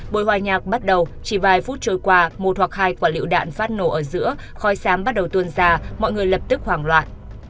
buổi hòa nhạc bắt đầu chỉ vài phút trôi qua một hoặc hai quả lựu đạn phát nổ ở giữa khói sám bắt đầu tuôn ra mọi người lập tức hoảng loạn